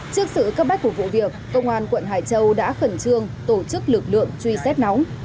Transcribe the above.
trước sự cấp bách của vụ việc công an quận hải châu đã khẩn trương tổ chức lực lượng truy xét nóng